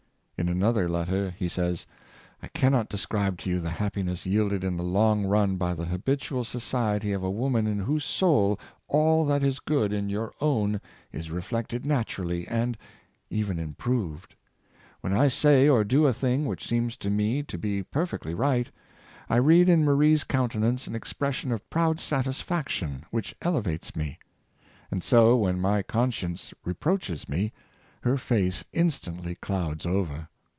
In another letter he says; "I can not describe to you the happinessiyielded in the long run by the habitual so ciety of a woman in whose soul all that is good in your own is reflected naturally, and even improved. When I say or do a thing which seems to me to be perfectly right, I read in Marie's countenance an expression of proud satisfaction which elevates me. And so, when my conscience reproaches me, her face instantly clouds over.